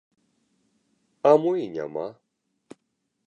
А мо і няма.